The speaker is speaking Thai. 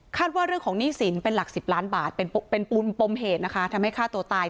ว่าเรื่องของหนี้สินเป็นหลัก๑๐ล้านบาทเป็นปมเหตุนะคะทำให้ฆ่าตัวตาย